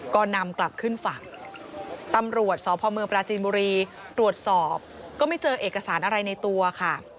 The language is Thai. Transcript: ก็นำกลับขึ้นฝั่งตำรวจสพเมืองปราจีนบุรีตรวจสอบก็ไม่เจอเอกสารอะไรในตัวค่ะ